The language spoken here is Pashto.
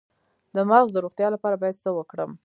د مغز د روغتیا لپاره باید څه وکړم؟